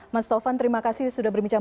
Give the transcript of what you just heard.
mas taufan terima kasih sudah berbincang